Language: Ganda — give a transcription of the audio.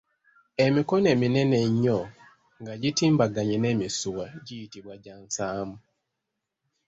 Emikono eminene ennyo nga gitimbaganye n’emisuwa giyitibwa gya nsaamu.